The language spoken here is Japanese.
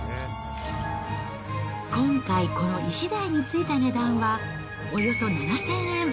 今回、このイシダイについた値段はおよそ７０００円。